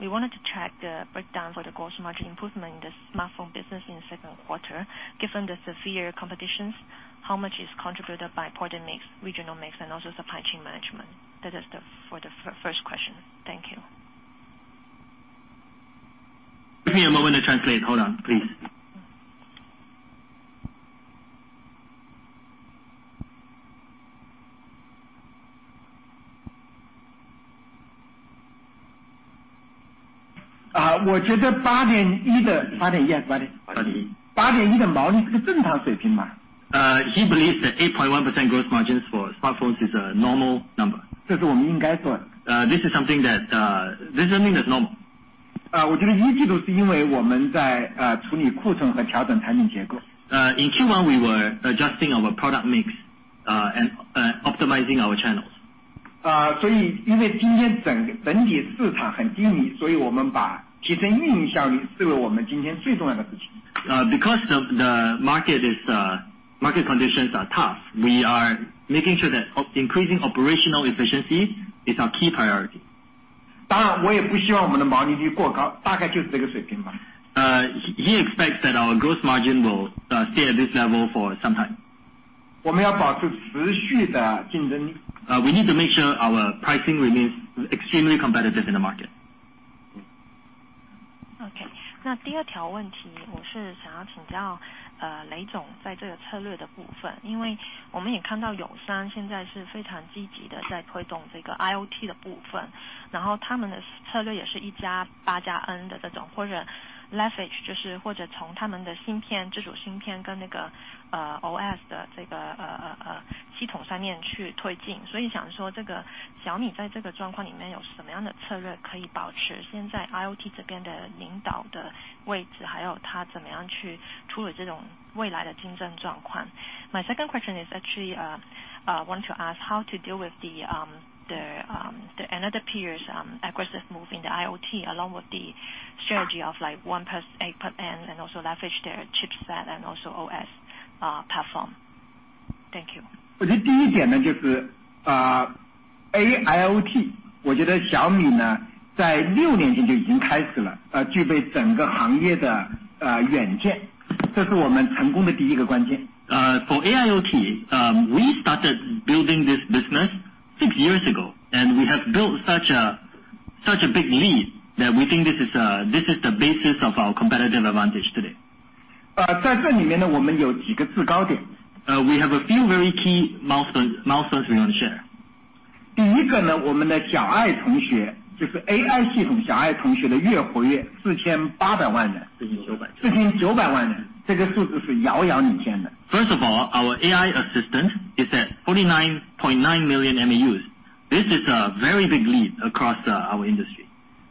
We wanted to track the breakdown for the gross margin improvement in the smartphone business in the second quarter. Given the severe competition, how much is contributed by product mix, regional mix, and also supply chain management? That is for the first question. Thank you. Give me a moment to translate. Hold on, please. He believes that 8.1% gross margins for smartphones is a normal number. This is something that is normal. In Q1, we were adjusting our product mix and optimizing our channels. Because the market conditions are tough, we are making sure that increasing operational efficiency is our key priority. He expects that our gross margin will stay at this level for some time. We need to make sure our pricing remains extremely competitive in the market. Okay. My second question is actually, I want to ask how to deal with the other peers' aggressive move in the AIoT, along with the strategy of 1+8+N and also leverage their chipset and also OS platform. Thank you. For AIoT, we started building this business six years ago, we have built such a big lead that we think this is the basis of our competitive advantage today. 在这里面我们有几个制高点。We have a few very key milestones we want to share. 第一个，我们的AI系统小爱同学的月活跃4800万人，4900万人，这个数字是遥遥领先的。First of all, our AI assistant is at 49.9 million MAUs. This is a very big lead across our industry.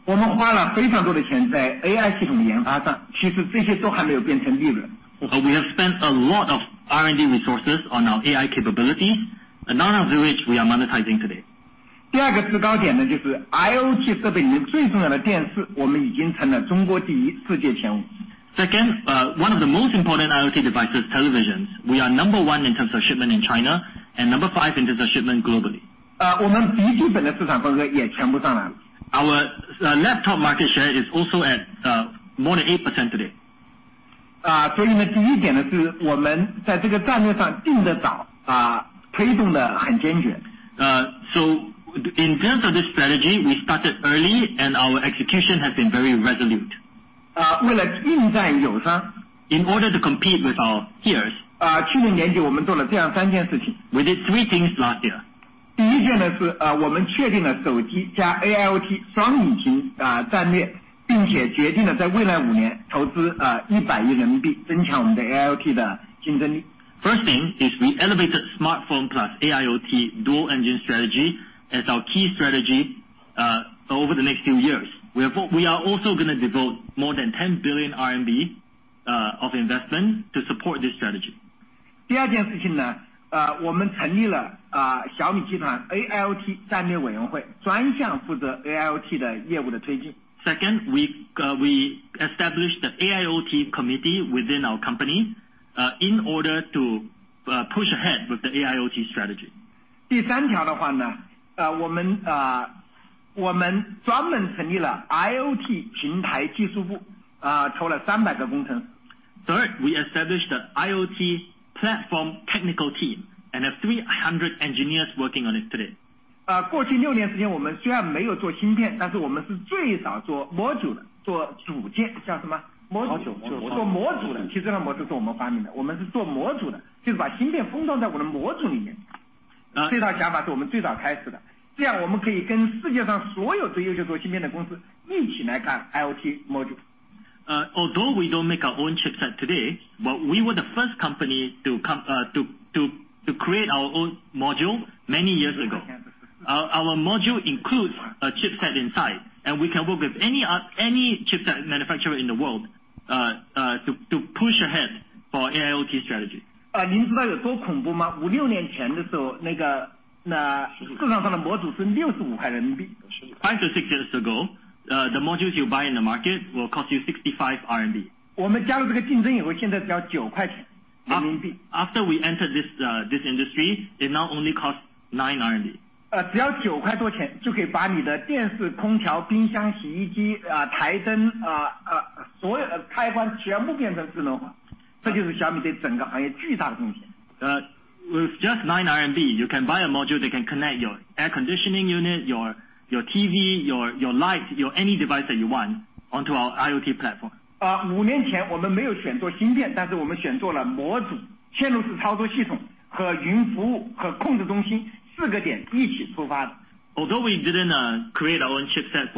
我们花了非常多的钱在AI系统的研发上，其实这些都还没有变成利润。We have spent a lot of R&D resources on our AI capabilities, none of which we are monetizing today. 第二个制高点就是IoT设备里最重要的电视，我们已经成了中国第一，世界前五。Second, one of the most important IoT devices, televisions, we are number one in terms of shipment in China and number five in terms of shipment globally. 我们笔集的市场份额也全部上来了。Our laptop market share is also at more than 8% today. 所以第一点是我们在这个战略上定得早，推动得很坚决。In terms of this strategy, we started early and our execution has been very resolute. 为了应战有方。In order to compete with our peers. 去年年底我们做了这样三件事情。We did three things last year. 第一件是我们确定了手机加AIoT双引擎战略，并且决定了在未来五年投资100亿人民币，增强我们的AIoT的竞争力。First thing, is we elevated smartphone plus AIoT dual engine strategy as our key strategy over the next few years. We are also going to devote more than RMB 10 billion of investment to support this strategy. 第二件事情，我们成立了小米集团AIoT战略委员会，专项负责AIoT业务的推进。Second, we established the AIoT committee within our company in order to push ahead with the AIoT strategy. 第三条的话，我们专门成立了IoT平台技术部，抽了300个工程师。We established a IoT platform technical team and have 300 engineers working on it today. 过去六年时间，我们虽然没有做芯片，但是我们是最早做module的，做组件。其实这个module是我们发明的，我们是做module的，就是把芯片封装在module里面。这套想法是我们最早开始的，这样我们可以跟世界上所有最优秀做芯片的公司一起来看IoT module。Although we don't make our own chipset today, but we were the first company to create our own module many years ago. Our module includes a chipset inside, and we can work with any chipset manufacturer in the world to push ahead for AIoT strategy. 您知道有多恐怖吗？五六年前的时候，市场上的module是65块人民币。Five to six years ago, the modules you buy in the market will cost you 65 RMB. 我们加入这个竞争以后，现在只要9块钱人民币。After we entered this industry, they now only cost 9. 只要9块多钱就可以把你的电视、空调、冰箱、洗衣机、台灯、所有开关全部变成智能化。这就是小米对整个行业巨大的贡献。With just RMB nine, you can buy a module that can connect your air conditioning unit, your TV, your light, any device that you want onto our IoT platform. 五年前我们没有选做芯片，但是我们选做了module、线路式操作系统和云服务和控制中心，四个点一起出发。Although we didn't create our own chipset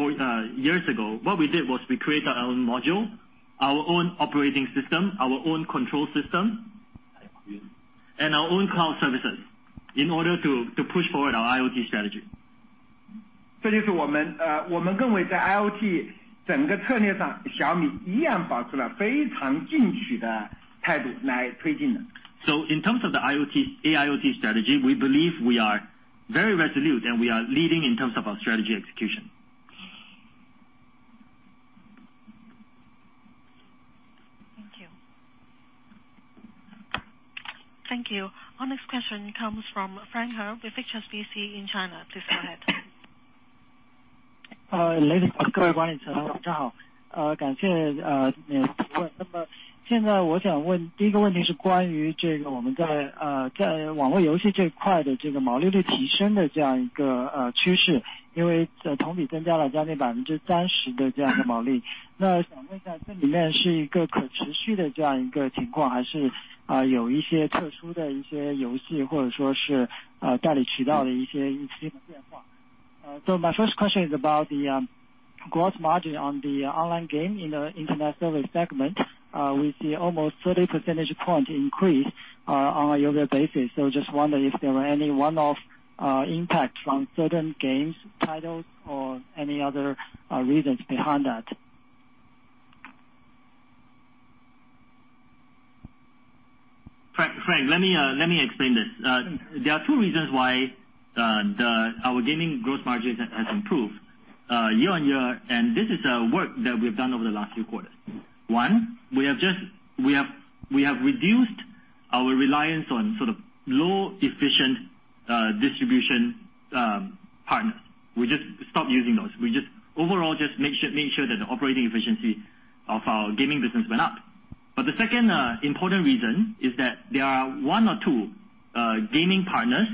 years ago, what we did was we created our own module, our own operating system, our own control system, and our own cloud services in order to push forward our AIoT strategy. 这就是我们。我们认为在IoT整个策略上，小米依然保持了非常进取的态度来推进。In terms of the AIoT strategy, we believe we are very resolute and we are leading in terms of our strategy execution. Thank you. Thank you. Our next question comes from Frank Tao with HSBC in China. Please go ahead. Ladies first. 各位分析师大家好，感谢你的提问。那么现在我想问第一个问题是关于我们在网络游戏这一块的毛利率提升的这样一个趋势，因为同比增加了将近30%的这样的毛利。那想问一下这里面是一个可持续的情况，还是有一些特殊的一些游戏，或者说是代理渠道的一些变化。So my first question is about the gross margin on the online game in the internet service segment. We see almost 30 percentage point increase on a year-over-year basis. Just wonder if there were any one-off impact from certain games titles or any other reasons behind that. Frank, let me explain this. There are two reasons why our gaming gross margin has improved year-over-year. This is work that we've done over the last few quarters. One, we have reduced our reliance on sort of low efficient distribution partners. We just stopped using those. We just overall made sure that the operating efficiency of our gaming business went up. The second important reason is that there are one or two gaming partners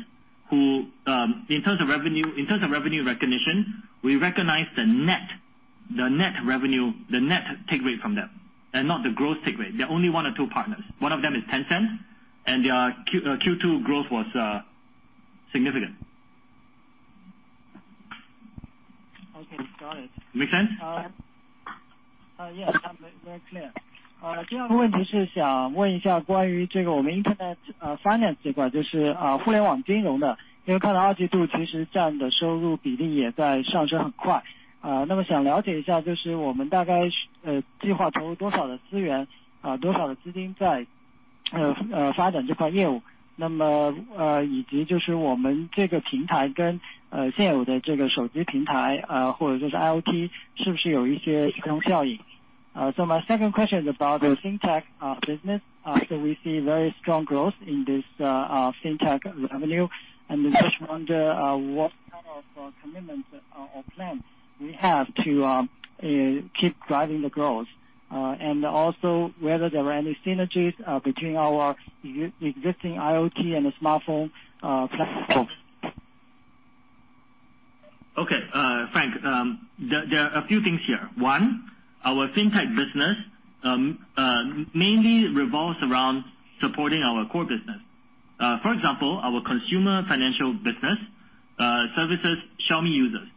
who, in terms of revenue recognition, we recognize the net revenue, the net take rate from them, and not the gross take rate. There are only one or two partners. One of them is Tencent. Their Q2 growth was significant. Okay, got it. Make sense? Yes, very clear. My second question is about the fintech business. We see very strong growth in this fintech revenue, and I just wonder what kind of commitment or plans we have to keep driving the growth. Also whether there are any synergies between our existing IoT and the smartphone platforms. Okay. Frank, there are a few things here. One, our fintech business mainly revolves around supporting our core business. For example, our consumer financial business services Xiaomi users.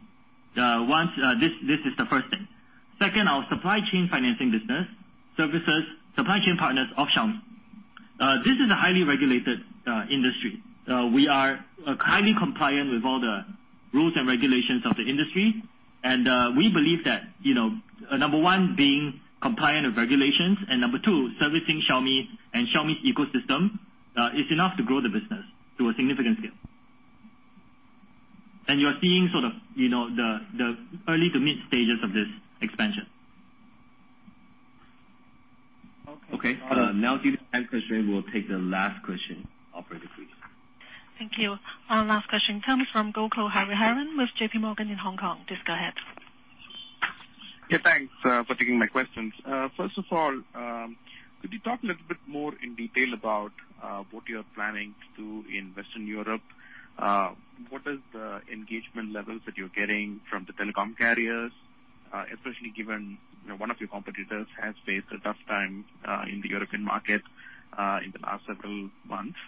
This is the first thing. Second, our supply chain financing business services supply chain partners of Xiaomi. This is a highly regulated industry. We are highly compliant with all the rules and regulations of the industry, and we believe that, number one, being compliant with regulations, and number two, servicing Xiaomi and Xiaomi ecosystem is enough to grow the business to a significant scale. You are seeing sort of the early to mid-stages of this expansion. Okay. Okay. Due to time constraint, we'll take the last question. Operator, please. Thank you. Last question comes from Gokul Hariharan with J.P. Morgan in Hong Kong. Please go ahead. Yeah, thanks for taking my questions. First of all, could you talk a little bit more in detail about what you're planning to do in Western Europe? What is the engagement levels that you're getting from the telecom carriers? Especially given one of your competitors has faced a tough time in the European market in the last several months.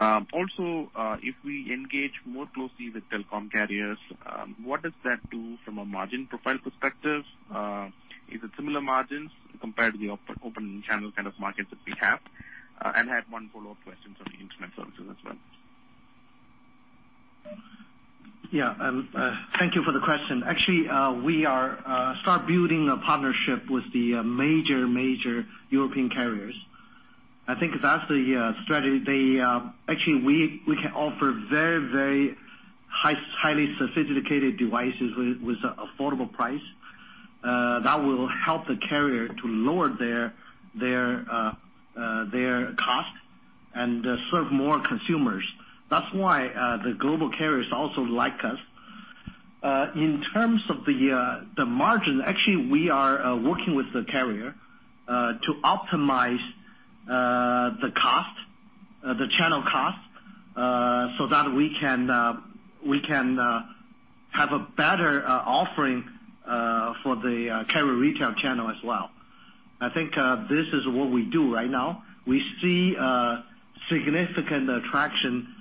If we engage more closely with telecom carriers, what does that do from a margin profile perspective? Is it similar margins compared to the open channel kind of markets that we have? I had one follow-up question on the internet services as well. Yeah. Thank you for the question. Actually, we are start building a partnership with the major European carriers. I think that's the strategy. Actually, we can offer very highly sophisticated devices with affordable price, that will help the carrier to lower their cost and serve more consumers. That's why the global carriers also like us. In terms of the margin, actually, we are working with the carrier to optimize the channel cost, so that we can have a better offering for the carrier retail channel as well. I think this is what we do right now. We see significant attraction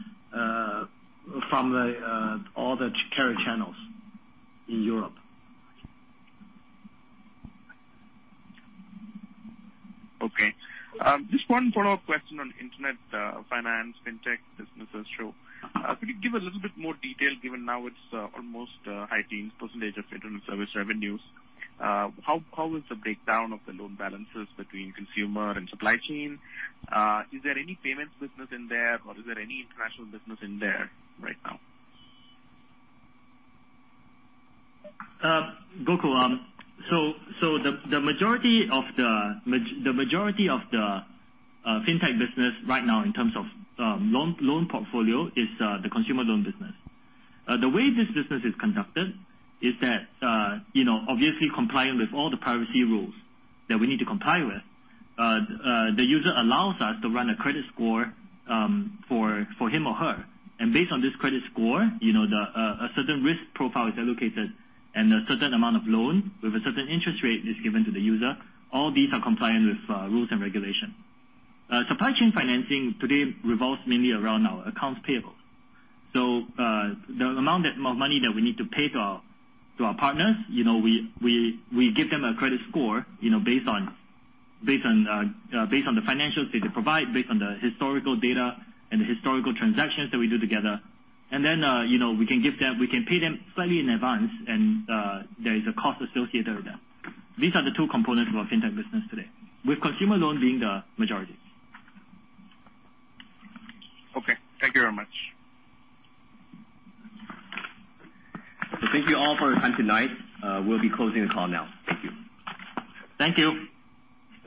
from all the carrier channels in Europe. Okay. Just one follow-up question on internet finance, fintech businesses, Shou. Could you give a little bit more detail, given now it's almost high teens % of internet service revenues? How is the breakdown of the loan balances between consumer and supply chain? Is there any payments business in there, or is there any international business in there right now? Gokul. The majority of the fintech business right now in terms of loan portfolio is the consumer loan business. The way this business is conducted is that, obviously compliant with all the privacy rules that we need to comply with, the user allows us to run a credit score for him or her. Based on this credit score, a certain risk profile is allocated and a certain amount of loan with a certain interest rate is given to the user. All these are compliant with rules and regulation. Supply chain financing today revolves mainly around our accounts payable. The amount of money that we need to pay to our partners, we give them a credit score based on the financials they provide, based on the historical data and the historical transactions that we do together. We can pay them slightly in advance, and there is a cost associated with that. These are the two components of our fintech business today, with consumer loan being the majority. Okay. Thank you very much. Thank you all for your time tonight. We'll be closing the call now. Thank you. Thank you.